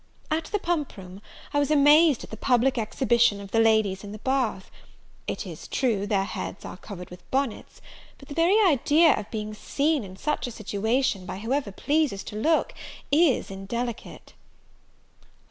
At the pump room, I was amazed at the public exhibition of the ladies in the bath; it is true, their heads are covered with bonnets; but the very idea of being seen, in such a situation, by whoever pleases to look, is indelicate.